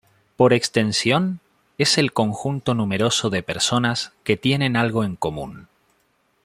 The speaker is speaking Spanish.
Por extensión, es el conjunto numeroso de personas que tienen algo en común.